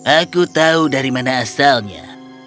aku tahu dari mana asalnya